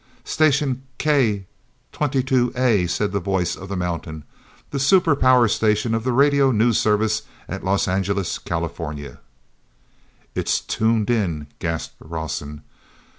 "Station K twenty two A," said the voice of the mountain, "the super power station of the Radio news Service at Los Angeles, California." t's tuned in!" gasped Rawson.